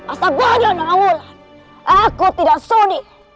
asap saja nauwul aku tidak sudi